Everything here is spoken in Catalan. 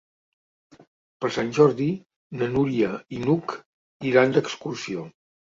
Per Sant Jordi na Núria i n'Hug iran d'excursió.